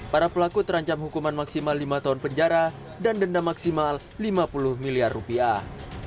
para pelaku terancam hukuman maksimal lima tahun penjara dan denda maksimal lima puluh miliar rupiah